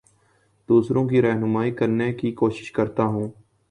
دوسروں کی رہنمائ کرنے کی کوشش کرتا ہوں